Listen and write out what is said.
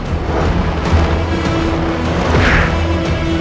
aku akan mengunggurkan ibumu sendiri